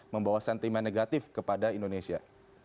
membawa sentimen negatif kepada indonesia